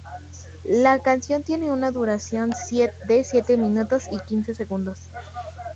La canción tiene una duración de siete minutos y quince segundos.